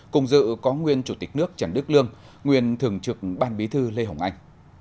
cùng dự có nguyên chủ tịch nước trần đức lương nguyên thường trực ban bí thư lê hồng anh